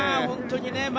本当にね。